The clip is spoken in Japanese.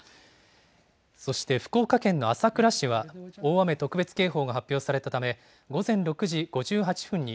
そして福岡県の朝倉市は、大雨特別警報が発表されたため、午前６時５８分に、